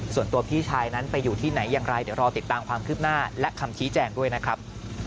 ส่วนตัวพี่ชายนั้นไปอยู่ที่ไหนอย่างไรเดี๋ยวรอติดตามความคืบหน้าและคำชี้แจงด้วยนะครับ